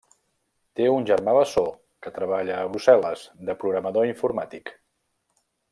Té un germà bessó que treballa a Brussel·les de programador informàtic.